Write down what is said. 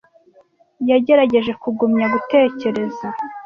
Yagerageje kugumya gutekereza.